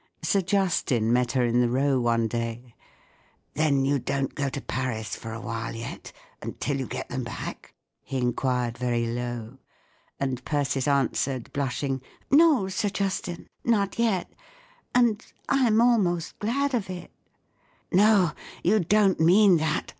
Sir Justin met her in the Row one day. " Then you don't go to Paris for awhile yet— until you get them back ?" he inquired very low. And Persis answered, blushing, " No, Sir Justin ; not yet; and—I'm almost glad of it." " No, you don't mean that!